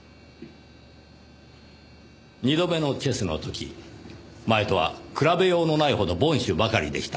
２度目のチェスの時前とは比べようのないほど凡手ばかりでした。